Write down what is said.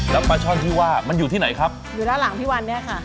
แล้วปลาช่อนที่ว่ามันอยู่ที่ไหนครับอยู่ด้านหลังพี่วันเนี่ยค่ะ